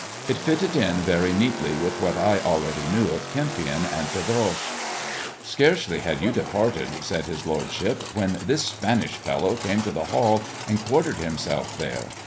It fitted in very neatly with what I already knew of Kempion and Pedroche. " Scarcely had you departed," said his lordship, " when this Spanish fellow came to the Hall and quartered himself there.